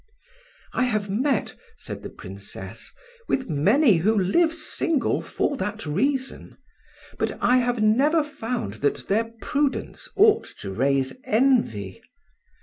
"I have met," said the Princess, "with many who live single for that reason, but I never found that their prudence ought to raise envy.